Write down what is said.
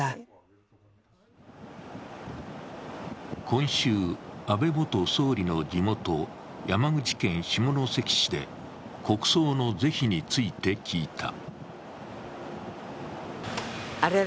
今週、安倍元総理の地元山口県下関市で国葬の是非について聞いた。